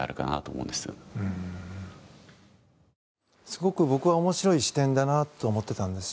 すごく僕は面白い視点だなと思っていたんです。